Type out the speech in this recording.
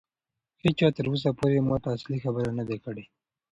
هیچا تر اوسه پورې ماته اصلي خبره نه ده کړې.